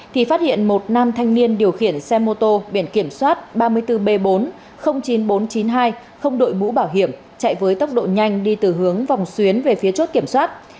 không đội mũ bảo hiểm chạy với tốc độ nhanh đi từ hướng vòng xuyến về phía chốt kiểm soát